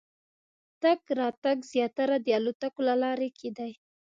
تګ راتګ زیاتره د الوتکو له لارې کېدی.